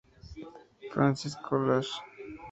Francis College.